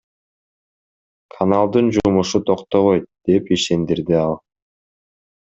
Каналдын жумушу токтобойт, — деп ишендирди ал.